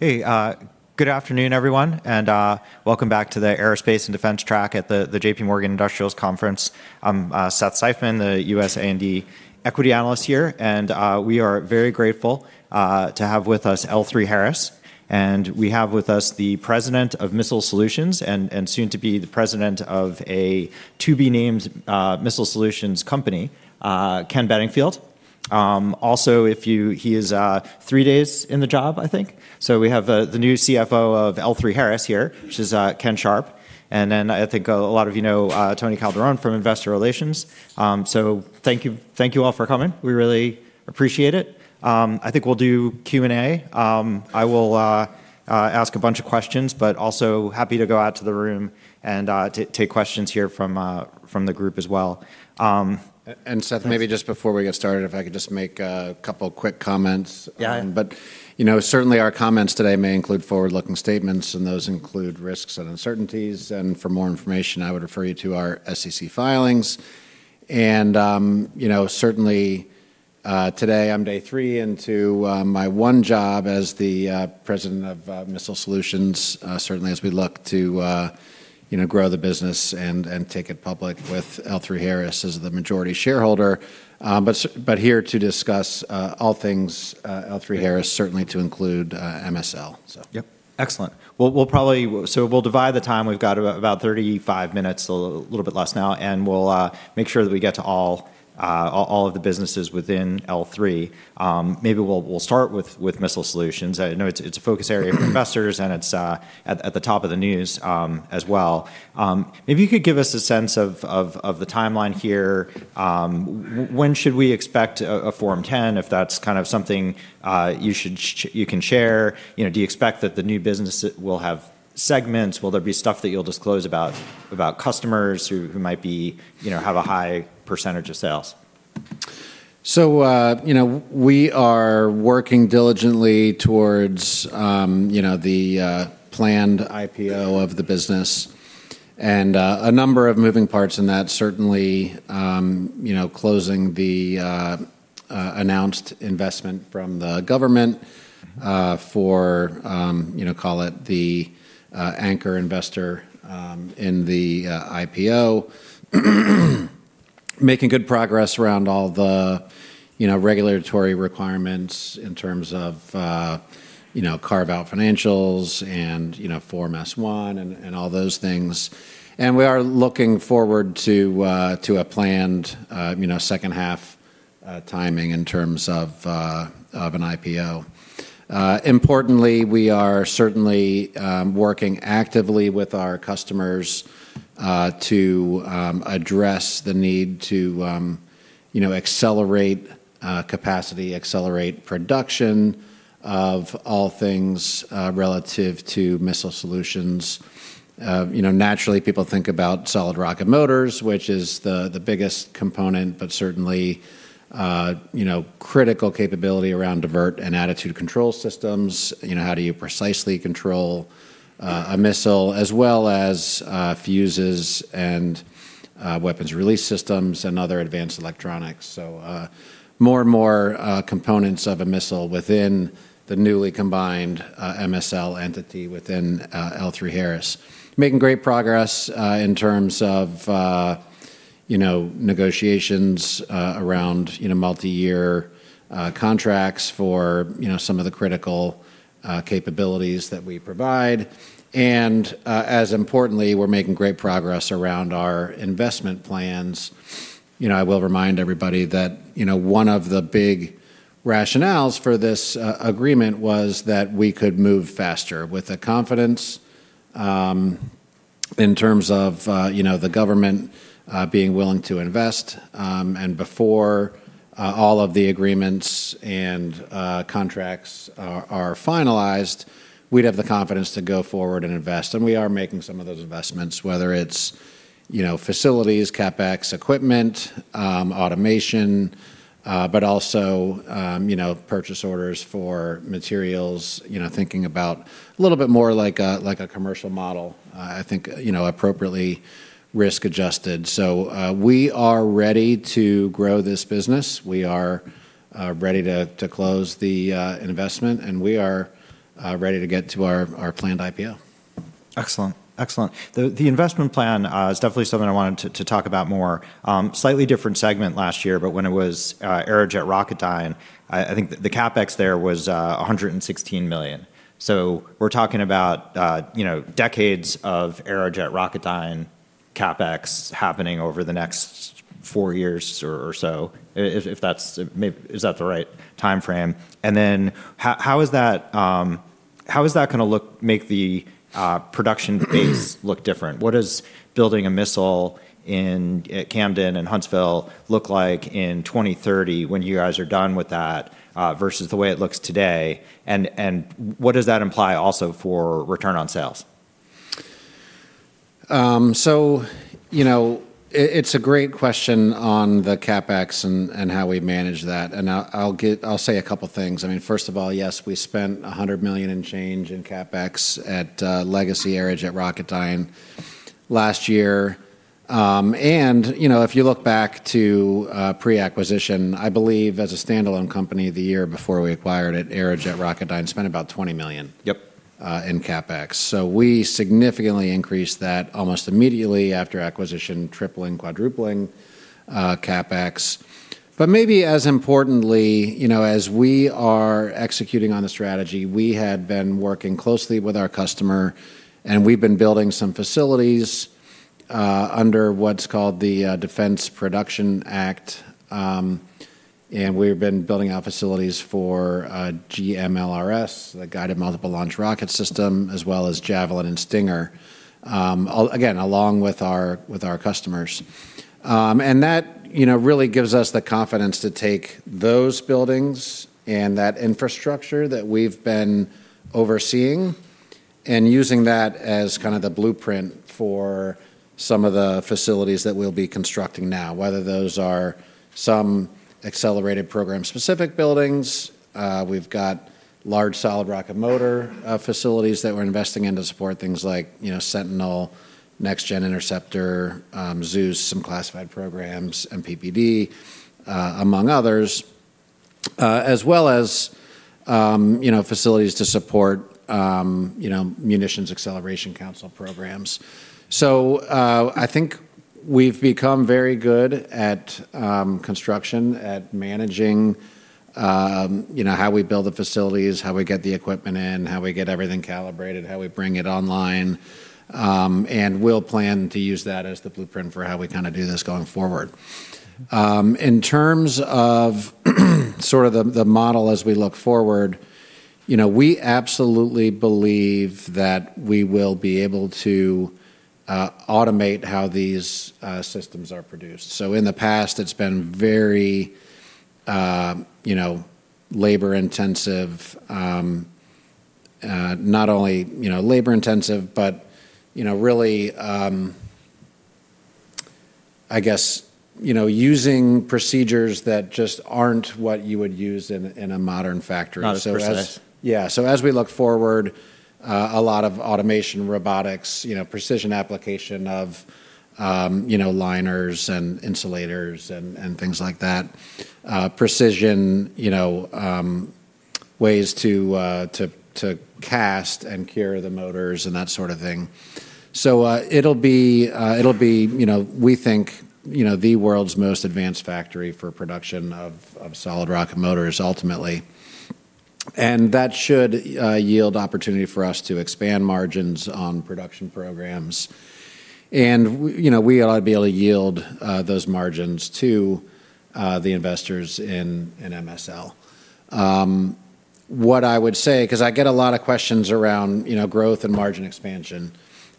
Hey, good afternoon everyone, and welcome back to the Aerospace and Defense track at the JPMorgan Industrials Conference. I'm Seth Seifman, the U.S. A&D equity analyst here, and we are very grateful to have with us L3Harris. We have with us the President of Missile Solutions and soon to be the president of a to-be-named missile solutions company, Kenneth Bedingfield. Also, he is three days in the job, I think. We have the new CFO of L3Harris here, which is Kenneth Sharp. Then I think a lot of you know Tania Hanna from Investor Relations. Thank you all for coming. We really appreciate it. I think we'll do Q&A. I will ask a bunch of questions, but also happy to go out to the room and take questions here from the group as well. Seth, maybe just before we get started, if I could just make a couple quick comments. Yeah. You know, certainly our comments today may include forward-looking statements, and those include risks and uncertainties. For more information, I would refer you to our SEC filings. You know, certainly today I'm day three into my one job as the President of Missile Solutions, certainly as we look to you know grow the business and take it public with L3Harris as the majority shareholder. Here to discuss all things L3Harris, certainly to include MSL. Yep. Excellent. We'll probably divide the time. We've got about 35 minutes, a little bit less now, and we'll make sure that we get to all of the businesses within L3. Maybe we'll start with Missile Solutions. I know it's a focus area for investors, and it's at the top of the news as well. Maybe you could give us a sense of the timeline here. When should we expect a Form 10, if that's kind of something you can share? You know, do you expect that the new business will have segments? Will there be stuff that you'll disclose about customers who might be, you know, have a high percentage of sales? You know, we are working diligently towards, you know, the planned IPO of the business and a number of moving parts in that. Certainly, you know, closing the announced investment from the government, for, you know, call it the anchor investor, in the IPO. Making good progress around all the, you know, regulatory requirements in terms of, you know, carve-out financials and, you know, Form S-1 and all those things. We are looking forward to a planned, you know, second half timing in terms of an IPO. Importantly, we are certainly working actively with our customers, to, you know, accelerate capacity, accelerate production of all things, relative to Missile Solutions. You know, naturally people think about solid rocket motors, which is the biggest component, but certainly, you know, critical capability around Divert and Attitude Control System. You know, how do you precisely control a missile? As well as fuses and weapons release systems and other advanced electronics. More and more components of a missile within the newly combined MSL entity within L3Harris. Making great progress in terms of, you know, negotiations around, you know, multi-year contracts for, you know, some of the critical capabilities that we provide. As importantly, we're making great progress around our investment plans. You know, I will remind everybody that, you know, one of the big rationales for this agreement was that we could move faster with the confidence, in terms of, you know, the government, being willing to invest. Before, all of the agreements and contracts are finalized, we'd have the confidence to go forward and invest. We are making some of those investments, whether it's, you know, facilities, CapEx, equipment, automation, but also, you know, purchase orders for materials. You know, thinking about a little bit more like a commercial model, I think, you know, appropriately risk adjusted. We are ready to grow this business. We are ready to close the investment, and we are ready to get to our planned IPO. Excellent. The investment plan is definitely something I wanted to talk about more. Slightly different segment last year, but when it was Aerojet Rocketdyne, I think the CapEx there was $116 million. We're talking about you know decades of Aerojet Rocketdyne CapEx happening over the next four years or so. Is that the right timeframe? And then how is that gonna make the production base look different? What does building a missile in at Camden and Huntsville look like in 2030 when you guys are done with that versus the way it looks today? And what does that imply also for return on sales? It's a great question on the CapEx and how we manage that, and I'll say a couple things. I mean, first of all, yes, we spent $100 million and change in CapEx at legacy Aerojet Rocketdyne last year. You know, if you look back to pre-acquisition, I believe as a standalone company the year before we acquired it, Aerojet Rocketdyne spent about $20 million. Yep. In CapEx. We significantly increased that almost immediately after acquisition, tripling, quadrupling, CapEx. Maybe as importantly, you know, as we are executing on the strategy, we had been working closely with our customer, and we've been building some facilities under what's called the Defense Production Act. We've been building out facilities for GMLRS, the Guided Multiple Launch Rocket System, as well as Javelin and Stinger, again, along with our customers. That, you know, really gives us the confidence to take those buildings and that infrastructure that we've been overseeing and using that as kind of the blueprint for some of the facilities that we'll be constructing now, whether those are some accelerated program-specific buildings. We've got large solid rocket motor facilities that we're investing in to support things like, you know, Sentinel, Next-Gen Interceptor, Zeus, some classified programs, MPPD, among others, as well as, you know, facilities to support, you know, Munitions Acceleration Council programs. I think we've become very good at construction, at managing, you know, how we build the facilities, how we get the equipment in, how we get everything calibrated, how we bring it online. We'll plan to use that as the blueprint for how we kinda do this going forward. In terms of sort of the model as we look forward, you know, we absolutely believe that we will be able to automate how these systems are produced. In the past, it's been very, you know, labor-intensive. Not only, you know, labor-intensive, but, you know, really, I guess, you know, using procedures that just aren't what you would use in a modern factory. So as- Not as precise. Yeah. As we look forward, a lot of automation, robotics, you know, precision application of, you know, liners and insulators and things like that. Precision, you know, ways to cast and cure the motors and that sort of thing. It'll be, you know, we think, you know, the world's most advanced factory for production of solid rocket motors ultimately. And that should yield opportunity for us to expand margins on production programs. And you know, we ought to be able to yield those margins to the investors in MSL. What I would say, 'cause I get a lot of questions around, you know, growth and margin expansion,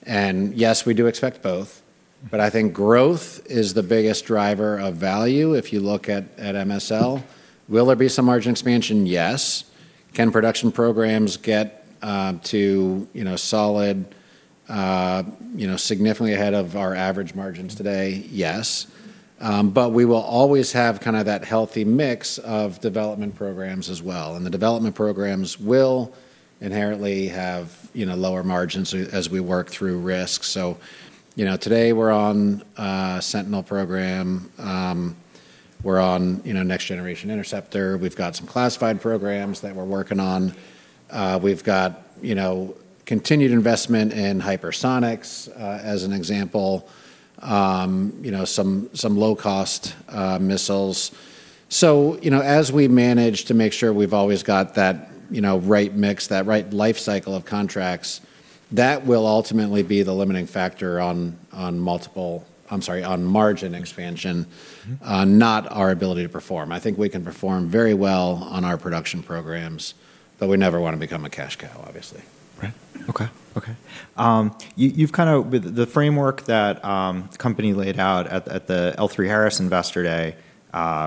and yes, we do expect both, but I think growth is the biggest driver of value if you look at MSL. Will there be some margin expansion? Yes. Can production programs get to, you know, solid, you know, significantly ahead of our average margins today? Yes. We will always have kinda that healthy mix of development programs as well, and the development programs will inherently have, you know, lower margins as we work through risks. You know, today we're on a Sentinel program. We're on, you know, Next Generation Interceptor. We've got some classified programs that we're working on. We've got, you know, continued investment in hypersonics, as an example. You know, some low-cost missiles. You know, as we manage to make sure we've always got that, you know, right mix, that right life cycle of contracts, that will ultimately be the limiting factor on margin expansion. Mm-hmm. Not our ability to perform. I think we can perform very well on our production programs, but we never wanna become a cash cow, obviously. Okay. With the framework that the company laid out at the L3Harris Investor Day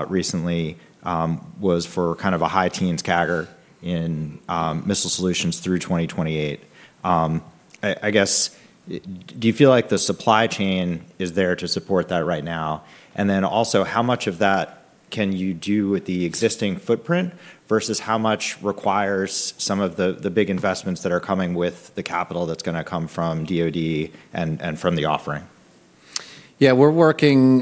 recently was for kind of a high teens CAGR in Missile Solutions through 2028. I guess, do you feel like the supply chain is there to support that right now? Also, how much of that can you do with the existing footprint versus how much requires some of the big investments that are coming with the capital that's gonna come from DoD and from the offering? Yeah. We're working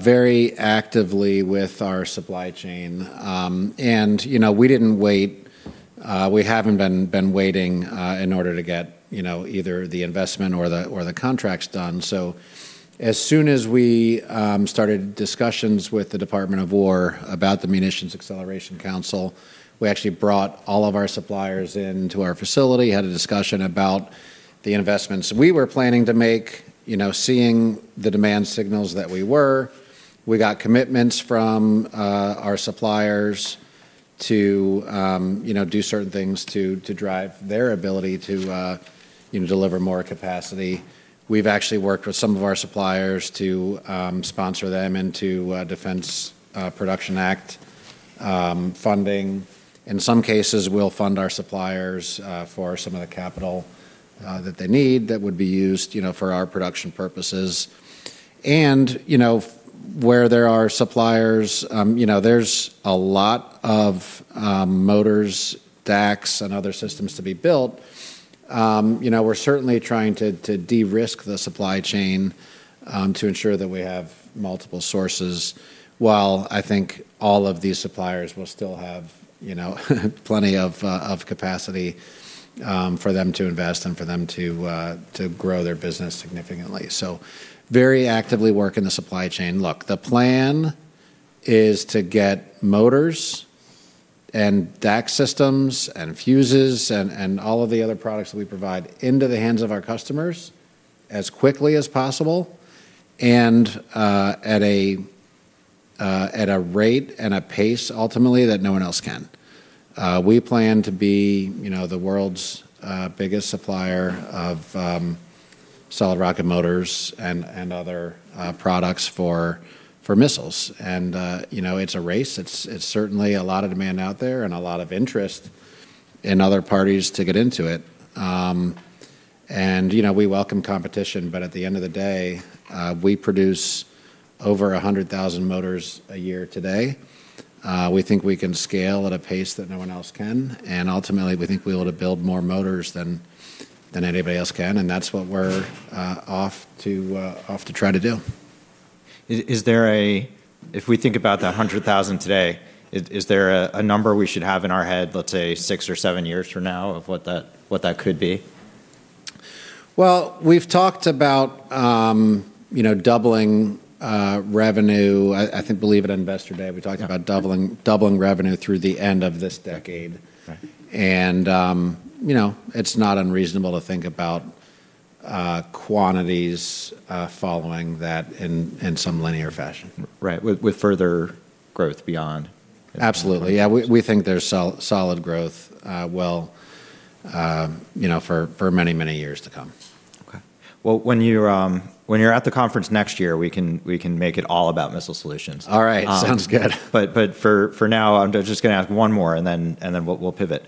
very actively with our supply chain. You know, we didn't wait, we haven't been waiting in order to get, you know, either the investment or the contracts done. As soon as we started discussions with the Department of Defense about the Munitions Acceleration Council, we actually brought all of our suppliers into our facility, had a discussion about the investments we were planning to make, you know, seeing the demand signals that we were. We got commitments from our suppliers to, you know, do certain things to drive their ability to, you know, deliver more capacity. We've actually worked with some of our suppliers to sponsor them into Defense Production Act funding. In some cases, we'll fund our suppliers for some of the capital that they need that would be used, you know, for our production purposes. You know, where there are suppliers, you know, there's a lot of motors, DACS, and other systems to be built. You know, we're certainly trying to de-risk the supply chain to ensure that we have multiple sources, while I think all of these suppliers will still have, you know, plenty of capacity for them to invest and for them to grow their business significantly. Very actively working the supply chain. Look, the plan is to get motors and DACS and fuses and all of the other products that we provide into the hands of our customers as quickly as possible and at a rate and a pace ultimately that no one else can. We plan to be, you know, the world's biggest supplier of solid rocket motors and other products for missiles. You know, it's a race. It's certainly a lot of demand out there and a lot of interest in other parties to get into it. You know, we welcome competition, but at the end of the day, we produce over 100,000 motors a year today. We think we can scale at a pace that no one else can, and ultimately we think we're able to build more motors than anybody else can, and that's what we're off to try to do. If we think about that 100,000 today, is there a number we should have in our head, let's say six or seven years from now, of what that could be? Well, we've talked about, you know, doubling revenue. I believe at Investor Day, we talked about doubling. Yeah. Doubling revenue through the end of this decade. Right. You know, it's not unreasonable to think about quantities following that in some linear fashion. Right. With further growth beyond. Absolutely. Yeah. We think there's solid growth, well, you know, for many years to come. Okay. Well, when you're at the conference next year, we can make it all about Missile Solutions. All right. Sounds good. For now, I'm just gonna ask one more, and then we'll pivot.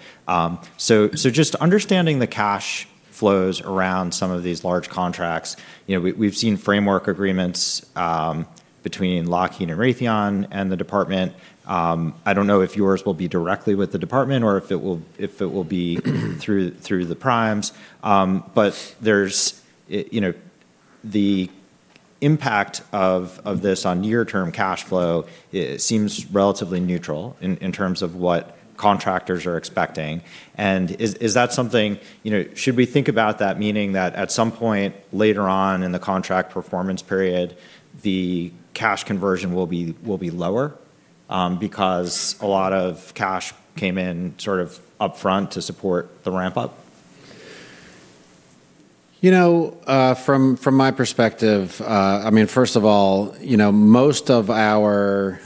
Just understanding the cash flows around some of these large contracts, you know, we've seen framework agreements between Lockheed and Raytheon and the department. I don't know if yours will be directly with the department or if it will be through the primes. The impact of this on near-term cash flow seems relatively neutral in terms of what contractors are expecting. Is that something, you know, should we think about that meaning that at some point later on in the contract performance period, the cash conversion will be lower because a lot of cash came in sort of upfront to support the ramp-up? You know, from my perspective, I mean, first of all, you know, most of our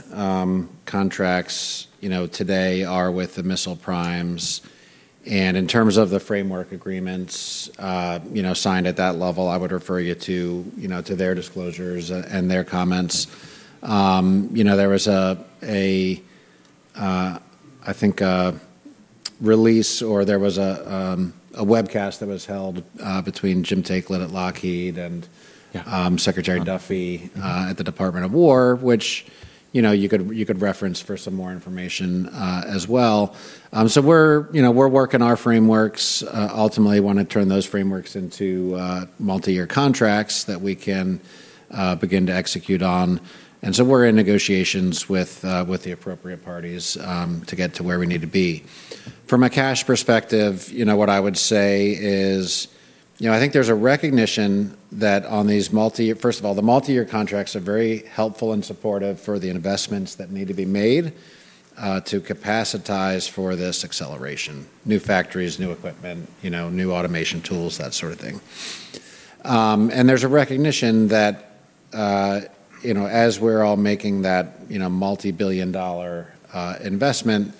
contracts today are with the missile primes. In terms of the framework agreements, you know, signed at that level, I would refer you to, you know, to their disclosures and their comments. You know, there was, I think, a release or there was a webcast that was held between Jim Taiclet at Lockheed and- Yeah. Secretary Duffy at the Department of War, which you know you could reference for some more information as well. We're working our frameworks. Ultimately wanna turn those frameworks into multi-year contracts that we can begin to execute on. We're in negotiations with the appropriate parties to get to where we need to be. From a cash perspective, what I would say is I think there's a recognition that on these multi-year contracts. First of all, the multi-year contracts are very helpful and supportive for the investments that need to be made to capacitize for this acceleration. New factories, new equipment, new automation tools, that sort of thing. There's a recognition that, you know, as we're all making that, you know, multi-billion dollar investment,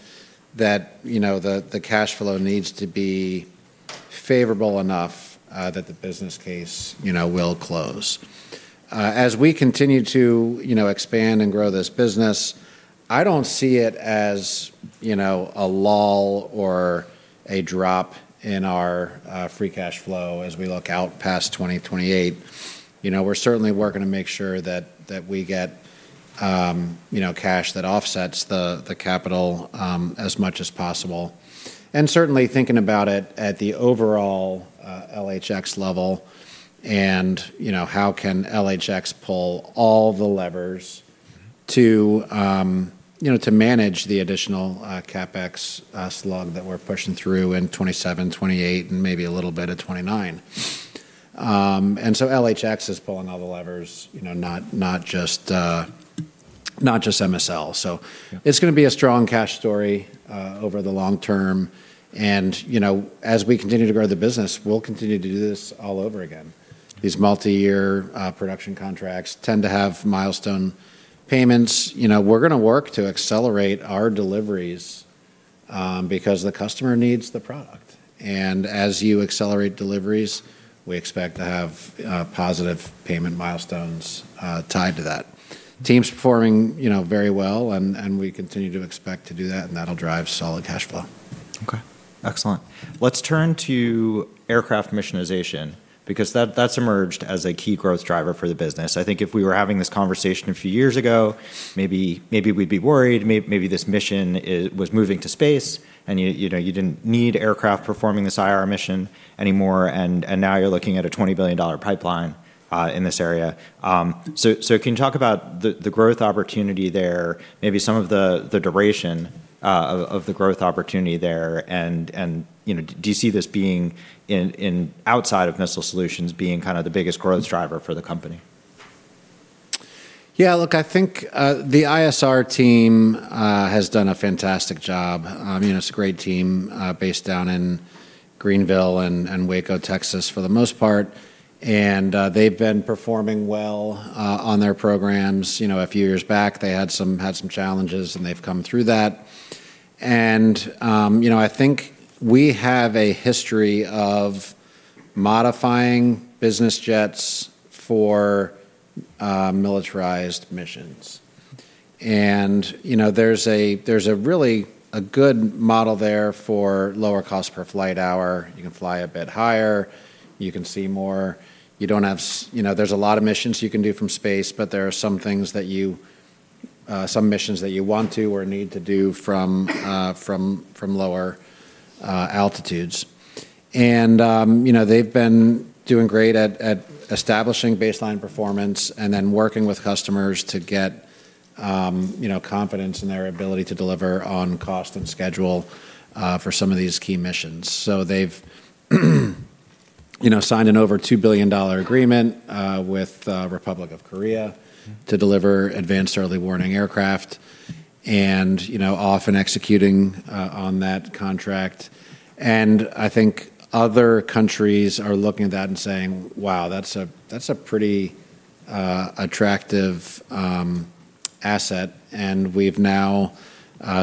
that, you know, the cash flow needs to be favorable enough that the business case, you know, will close. As we continue to, you know, expand and grow this business, I don't see it as, you know, a lull or a drop in our free cash flow as we look out past 2028. You know, we're certainly working to make sure that we get, you know, cash that offsets the capital as much as possible. Certainly thinking about it at the overall LHX level and, you know, how can LHX pull all the levers to, you know, to manage the additional CapEx slug that we're pushing through in 2027, 2028, and maybe a little bit of 2029. LHX is pulling all the levers, you know, not just MSL. Yeah. It's gonna be a strong cash story over the long term. You know, as we continue to grow the business, we'll continue to do this all over again. These multi-year production contracts tend to have milestone payments. You know, we're gonna work to accelerate our deliveries because the customer needs the product. As you accelerate deliveries, we expect to have positive payment milestones tied to that. Team's performing, you know, very well and we continue to expect to do that, and that'll drive solid cash flow. Okay. Excellent. Let's turn to aircraft missionization because that's emerged as a key growth driver for the business. I think if we were having this conversation a few years ago, maybe we'd be worried maybe this mission was moving to space, and you know, you didn't need aircraft performing this ISR mission anymore and now you're looking at a $20 billion pipeline in this area. So can you talk about the growth opportunity there, maybe some of the duration of the growth opportunity there, and you know, do you see this being in outside of Missile Solutions being kind of the biggest growth driver for the company? Yeah, look, I think the ISR team has done a fantastic job. You know, it's a great team based down in Greenville and Waco, Texas for the most part, and they've been performing well on their programs. You know, a few years back, they had some challenges, and they've come through that. You know, I think we have a history of modifying business jets for militarized missions. You know, there's a really good model there for lower cost per flight hour. You can fly a bit higher. You can see more. You know, there's a lot of missions you can do from space, but there are some missions that you want to or need to do from lower altitudes. They've been doing great at establishing baseline performance and then working with customers to get you know confidence in their ability to deliver on cost and schedule for some of these key missions. They've you know signed an over $2 billion agreement with Republic of Korea to deliver advanced early warning aircraft and you know off and executing on that contract. I think other countries are looking at that and saying "Wow, that's a pretty attractive asset." We've now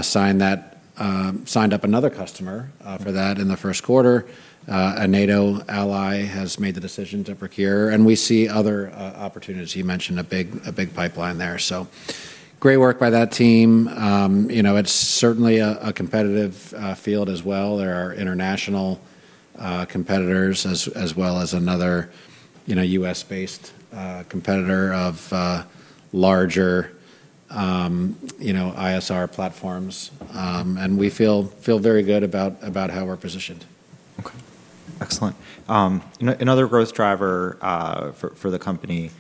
signed up another customer for that in the first quarter. A NATO ally has made the decision to procure, and we see other opportunities. You mentioned a big pipeline there. Great work by that team. You know, it's certainly a competitive field as well. There are international competitors as well as another, you know, U.S.-based competitor of larger, you know, ISR platforms. We feel very good about how we're positioned. Okay. Excellent. Another growth driver for the company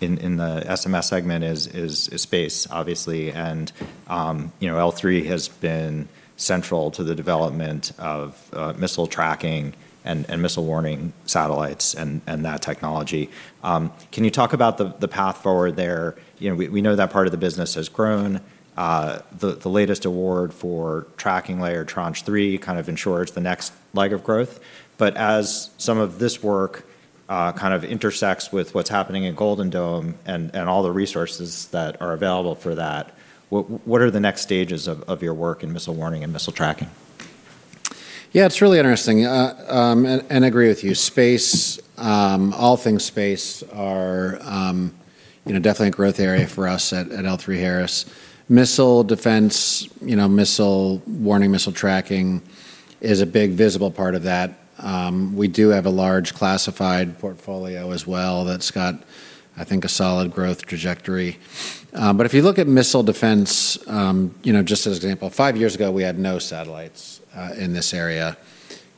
in the SMS segment is space, obviously. You know, L3 has been central to the development of missile tracking and missile warning satellites and that technology. Can you talk about the path forward there? You know, we know that part of the business has grown. The latest award for tracking layer Tranche 3 kind of ensures the next leg of growth. As some of this work kind of intersects with what's happening at Golden Dome and all the resources that are available for that, what are the next stages of your work in missile warning and missile tracking? Yeah, it's really interesting. Agree with you. Space, all things space are, you know, definitely a growth area for us at L3Harris. Missile defense, you know, missile warning, missile tracking is a big visible part of that. We do have a large classified portfolio as well that's got, I think, a solid growth trajectory. If you look at missile defense, you know, just as an example, five years ago, we had no satellites in this area.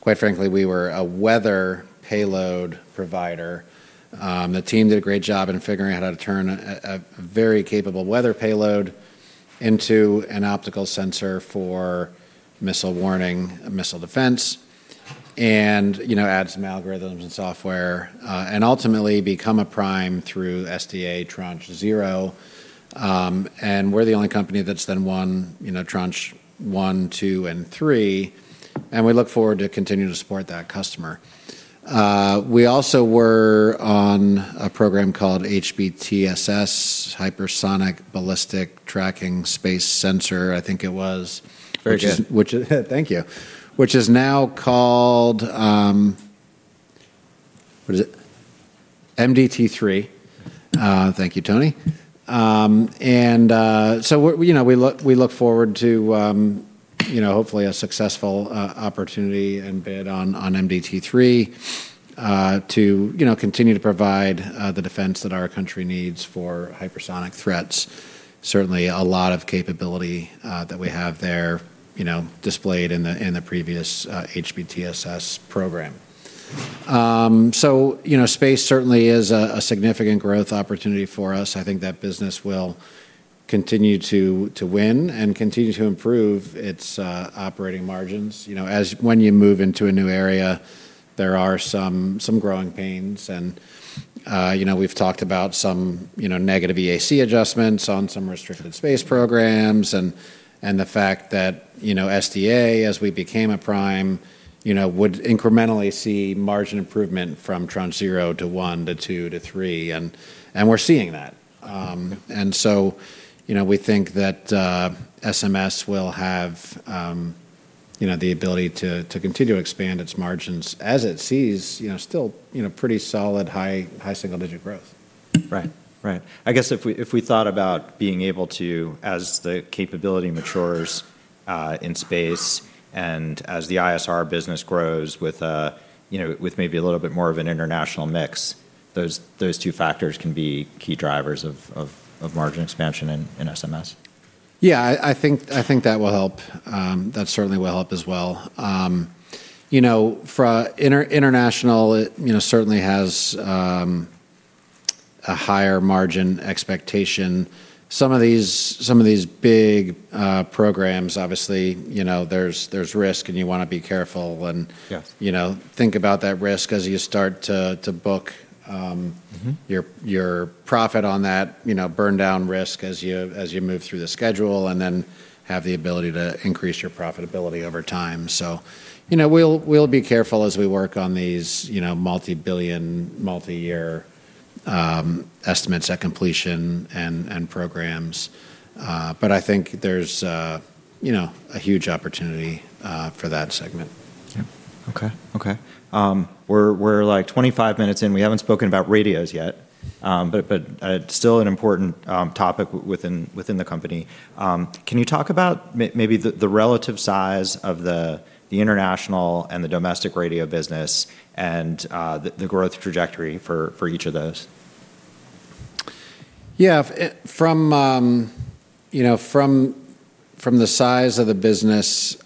Quite frankly, we were a weather payload provider. The team did a great job in figuring out how to turn a very capable weather payload into an optical sensor for missile warning, missile defense, and, you know, add some algorithms and software and ultimately become a prime through SDA Tranche 0. We're the only company that's then won, you know, Tranche 1, 2, and 3, and we look forward to continuing to support that customer. We also were on a program called HBTSS, Hypersonic and Ballistic Tracking Space Sensor, I think it was. Very good. Which is now called, what is it? MDT-3. Thank you, Tony. We look forward to, you know, hopefully a successful opportunity and bid on MDT-3, to you know, continue to provide the defense that our country needs for hypersonic threats. Certainly a lot of capability that we have there, you know, displayed in the previous HBTSS program. Space certainly is a significant growth opportunity for us. I think that business will continue to win and continue to improve its operating margins. You know, when you move into a new area, there are some growing pains and, you know, we've talked about some, you know, negative EAC adjustments on some restricted space programs and the fact that, you know, SDA, as we became a prime, you know, would incrementally see margin improvement from Tranche 0 to 1 to 2 to 3 and we're seeing that. You know, we think that SMS will have the ability to continue to expand its margins as it sees still, you know, pretty solid, high single-digit% growth. Right, right. I guess if we thought about being able to, as the capability matures in space and as the ISR business grows with you know, with maybe a little bit more of an international mix, those two factors can be key drivers of margin expansion in SMS. Yeah, I think that will help. That certainly will help as well. You know, for international, it you know certainly has a higher margin expectation. Some of these big programs, obviously, you know, there's risk, and you wanna be careful. Yes. You know, think about that risk as you start to book. Mm-hmm. Your profit on that, you know, burn down risk as you move through the schedule, and then have the ability to increase your profitability over time. You know, we'll be careful as we work on these, you know, multi-billion, multi-year estimates at completion and programs. I think there's, you know, a huge opportunity for that segment. Yeah. Okay. We're like 25 minutes in. We haven't spoken about radios yet, but still an important topic within the company. Can you talk about maybe the relative size of the international and the domestic radio business and the growth trajectory for each of those? Yeah. From the size of the business,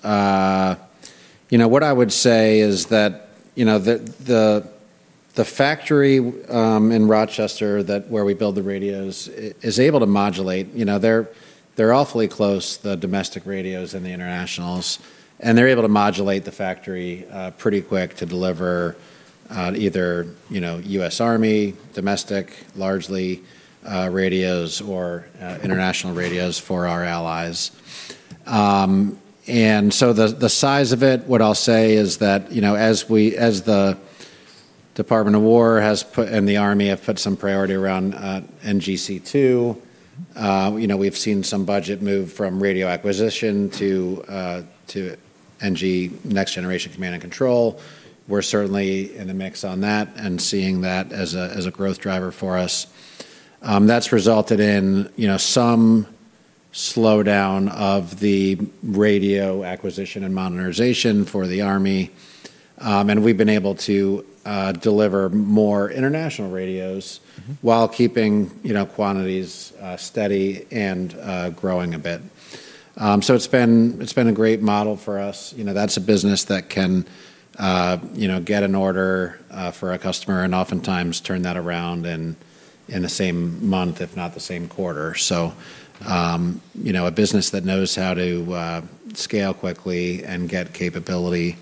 you know, what I would say is that, you know, the factory in Rochester that's where we build the radios is able to modulate, you know, they're awfully close, the domestic radios and the internationals, and they're able to modulate the factory pretty quick to deliver, you know, U.S. Army, domestic, largely, radios or international radios for our allies. The size of it, what I'll say is that, you know, as the Department of Defense has put, and the Army have put some priority around NGC2, you know, we've seen some budget move from radio acquisition to NG, Next Generation Command and Control. We're certainly in the mix on that and seeing that as a growth driver for us. That's resulted in, you know, some slowdown of the radio acquisition and modernization for the Army, and we've been able to deliver more international radios. Mm-hmm.... while keeping, you know, quantities steady and growing a bit. It's been a great model for us. You know, that's a business that can get an order for a customer, and oftentimes turn that around in the same month, if not the same quarter. You know, a business that knows how to scale quickly and get capability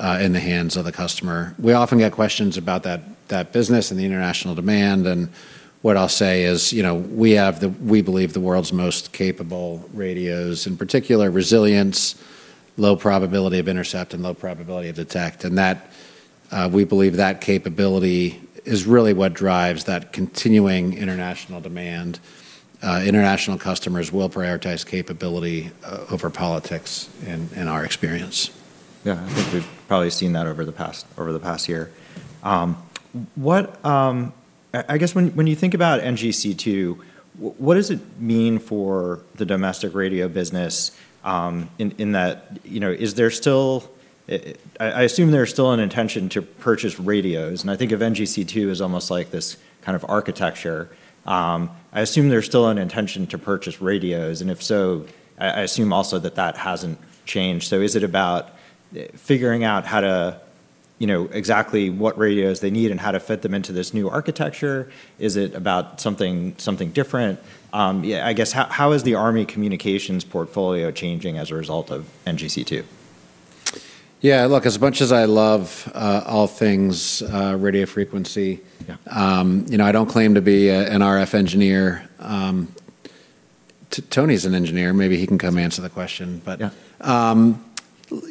in the hands of the customer. We often get questions about that business and the international demand, and what I'll say is, you know, we have, we believe, the world's most capable radios, in particular resilience, low probability of intercept, and low probability of detection. That we believe that capability is really what drives that continuing international demand. International customers will prioritize capability over politics in our experience. Yeah. I think we've probably seen that over the past year. I guess when you think about NGC2, what does it mean for the domestic radio business, in that, you know, is there still an intention to purchase radios, and I think of NGC2 as almost like this kind of architecture. I assume there's still an intention to purchase radios, and if so, I assume also that that hasn't changed. Is it about figuring out how to, you know, exactly what radios they need and how to fit them into this new architecture? Is it about something different? Yeah, I guess how is the Army communications portfolio changing as a result of NGC2? Yeah. Look, as much as I love all things radio frequency. Yeah. You know, I don't claim to be a, an RF engineer. Tony's an engineer. Maybe he can come answer the question. Yeah.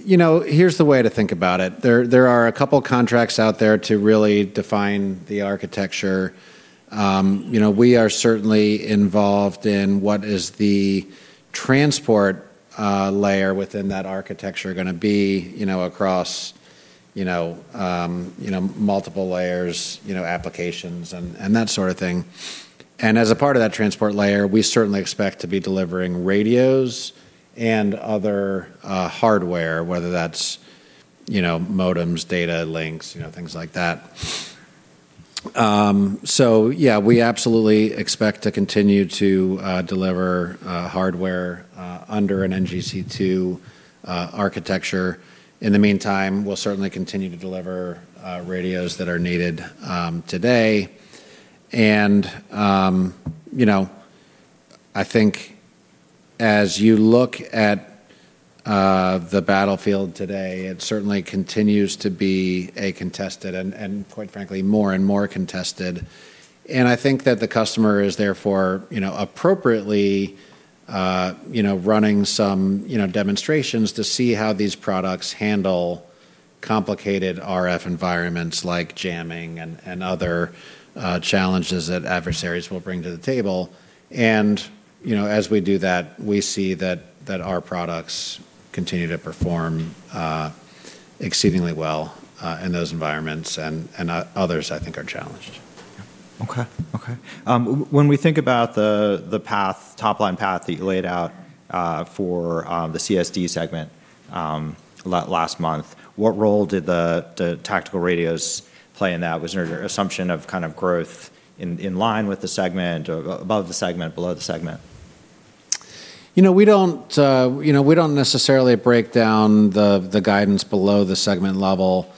You know, here's the way to think about it. There are a couple contracts out there to really define the architecture. You know, we are certainly involved in what is the transport layer within that architecture gonna be, you know, across, you know, multiple layers, you know, applications and that sort of thing. As a part of that transport layer, we certainly expect to be delivering radios and other hardware, whether that's, you know, modems, data links, you know, things like that. Yeah, we absolutely expect to continue to deliver hardware under an NGC2 architecture. In the meantime, we'll certainly continue to deliver radios that are needed today. You know, I think as you look at the battlefield today, it certainly continues to be contested and quite frankly, more and more contested. I think that the customer is therefore you know, appropriately you know, running some you know, demonstrations to see how these products handle complicated RF environments like jamming and other challenges that adversaries will bring to the table. You know, as we do that, we see that our products continue to perform exceedingly well in those environments and others I think are challenged. Yeah. Okay, okay. When we think about the path, top line path that you laid out for the CSD segment last month, what role did the tactical radios play in that? Was there an assumption of kind of growth in line with the segment or above the segment, below the segment? You know, we don't necessarily break down the guidance below the segment level.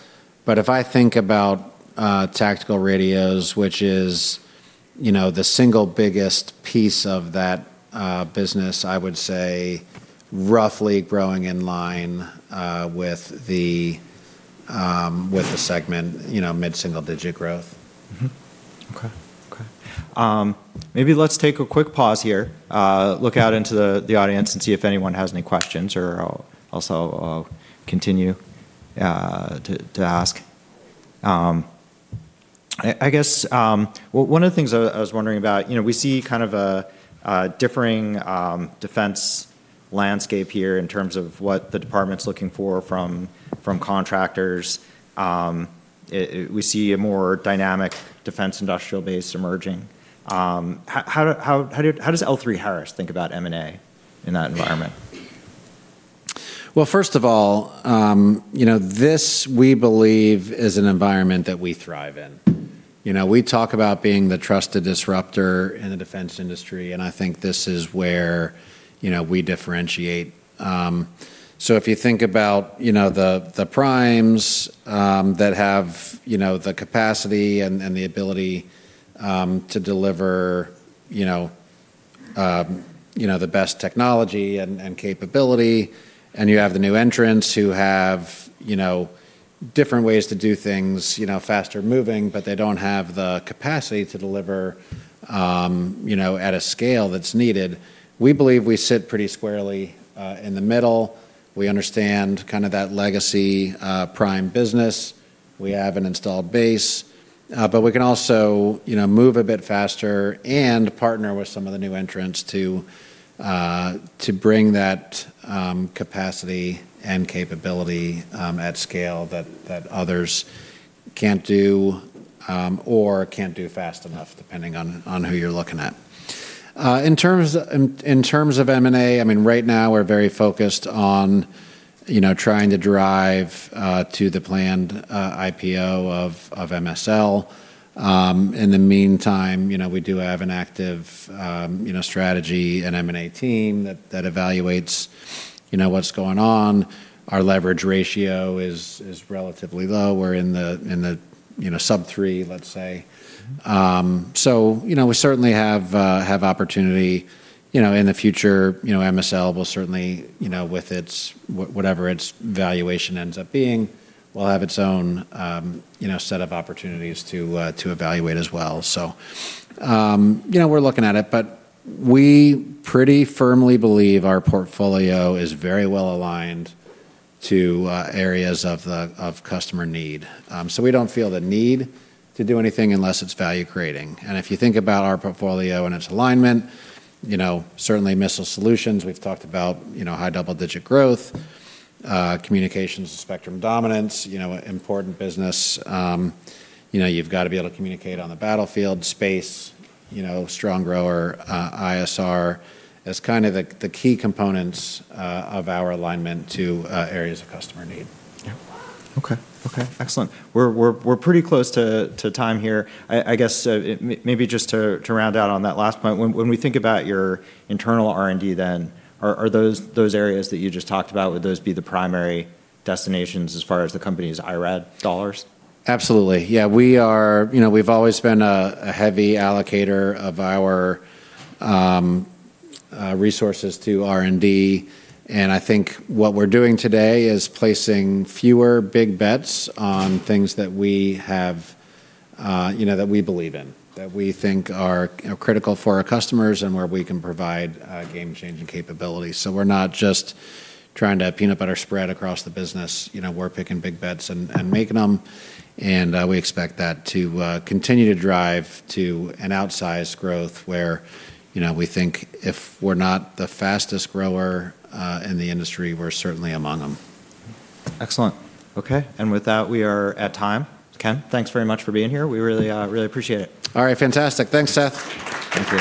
If I think about tactical radios which is, you know, the single biggest piece of that business, I would say roughly growing in line with the segment, you know, mid-single digit growth. Okay, okay. Maybe let's take a quick pause here, look out into the audience and see if anyone has any questions or I'll also continue to ask. I guess one of the things I was wondering about, you know, we see kind of a differing defense landscape here in terms of what the department's looking for from contractors. We see a more dynamic defense industrial base emerging. How does L3Harris think about M&A in that environment? Well, first of all, you know, this, we believe, is an environment that we thrive in. You know, we talk about being the trusted disruptor in the defense industry, and I think this is where, you know, we differentiate. If you think about, you know, the primes that have, you know, the capacity and the ability to deliver, you know, you know, the best technology and capability, and you have the new entrants who have, you know, different ways to do things, you know, faster moving, but they don't have the capacity to deliver, you know, at a scale that's needed. We believe we sit pretty squarely in the middle. We understand kinda that legacy prime business. We have an installed base. We can also, you know, move a bit faster and partner with some of the new entrants to bring that capacity and capability at scale that others can't do or can't do fast enough, depending on who you're looking at. In terms of M&A, I mean, right now we're very focused on, you know, trying to drive to the planned IPO of MSL. In the meantime, you know, we do have an active strategy and M&A team that evaluates, you know, what's going on. Our leverage ratio is relatively low. We're in the sub three, let's say. You know, we certainly have opportunity. You know, in the future, you know, MSL will certainly, you know, with its whatever its valuation ends up being, will have its own, you know, set of opportunities to evaluate as well. You know, we're looking at it. We pretty firmly believe our portfolio is very well aligned to areas of customer need. We don't feel the need to do anything unless it's value creating. If you think about our portfolio and its alignment, you know, certainly Missile Solutions, we've talked about, you know, high double-digit growth. Communications and Spectrum Dominance, you know, important business. You know, you've gotta be able to communicate on the battlefield. Space, you know, strong grower. ISR is kind of the key components of our alignment to areas of customer need. Yeah. Okay, okay. Excellent. We're pretty close to time here. I guess, maybe just to round out on that last point, when we think about your internal R&D then, are those areas that you just talked about, would those be the primary destinations as far as the company's IRAD dollars? Absolutely. Yeah, we are. You know, we've always been a heavy allocator of our resources to R&D, and I think what we're doing today is placing fewer big bets on things that we have, you know, that we believe in, that we think are, you know, critical for our customers and where we can provide game-changing capabilities. We're not just trying to peanut butter spread across the business. You know, we're picking big bets and making them, and we expect that to continue to drive to an outsized growth where, you know, we think if we're not the fastest grower in the industry, we're certainly among them. Excellent. Okay. With that, we are at time. Ken, thanks very much for being here. We really appreciate it. All right. Fantastic. Thanks, Seth. Thank you.